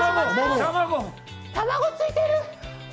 卵ついてる！